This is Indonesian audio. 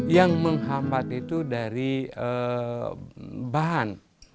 yang menghambat itu dari bahan